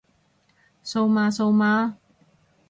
蘇媽蘇媽？